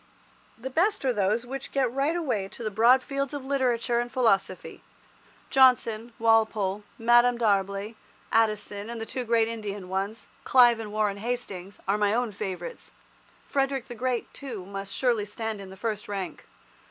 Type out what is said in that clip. The best are those which get right away into the broad fields of literature and philosophy. Johnson, Walpole, Madame D'Arblay, Addison, and the two great Indian ones, Clive and Warren Hastings, are my own favourites. Frederick the Great, too, must surely stand in the first rank.